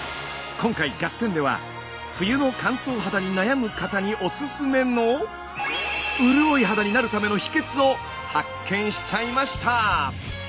今回「ガッテン！」では冬の乾燥肌に悩む方におすすめの潤い肌になるための秘けつを発見しちゃいました。